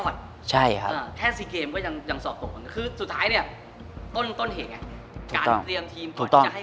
อเจมส์ใช่ครับแค่สีเกมก็ยังสอบโตคือสุดท้ายเนี่ยต้นเหตุไงการเตรียมทีมก่อนจะให้โค้ดได้ทำงาน